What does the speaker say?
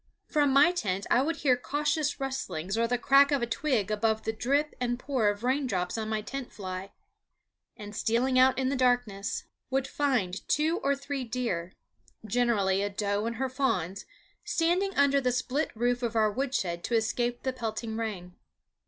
From my tent I would hear cautious rustlings or the crack of a twig above the drip and pour of raindrops on my tent fly, and stealing out in the darkness would find two or three deer, generally a doe and her fawns, standing under the split roof of our woodshed to escape the pelting rain.